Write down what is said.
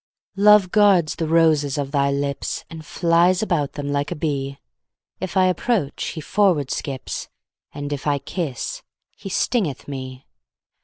Love guards the roses of thy lips, And flies about them like a bee: If I approach, he forward skips, And if I kiss, he stingeth me.